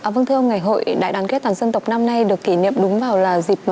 vâng thưa ông ngày hội đại đoàn kết toàn dân tộc năm nay được kỷ niệm đúng vào là dịp